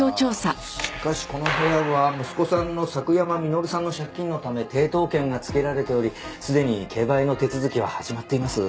しかしこの部屋は息子さんの佐久山稔さんの借金のため抵当権が付けられておりすでに競売の手続きは始まっています。